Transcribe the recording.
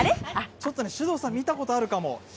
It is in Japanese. ちょっとね、首藤さん見たことあるかも。